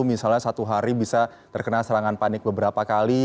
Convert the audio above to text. misalnya satu hari bisa terkena serangan panik beberapa kali